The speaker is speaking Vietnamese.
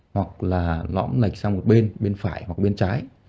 hoặc là lõm lệch sang một bên bên phải hoặc bên trái